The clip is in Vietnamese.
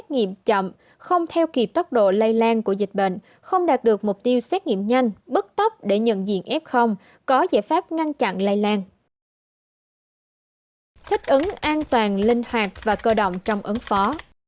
thích ứng an toàn linh hoạt và cơ động trong ứng phó